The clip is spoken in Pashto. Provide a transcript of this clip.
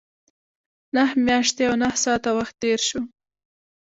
نهه میاشتې او نهه ساعته وخت تېر شو.